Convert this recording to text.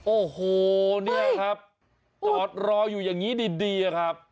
โอ้โหเนี่ยครับจอดรออยู่อย่างนี้ดีครับ